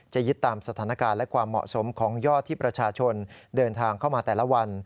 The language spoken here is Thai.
ยึดตามสถานการณ์และความเหมาะสมของยอดที่ประชาชนเดินทางเข้ามาแต่ละวัน